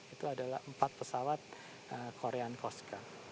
itu adalah empat pesawat korean coasca